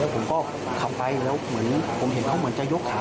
ผมก็ขับไปแล้วเหมือนผมเห็นเขาเหมือนจะยกขา